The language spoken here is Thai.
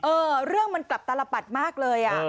เออเรื่องมันกลับตลปัดมากเลยอ่ะ